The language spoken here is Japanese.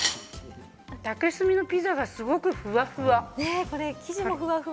竹炭のピザがすごくふわふわ。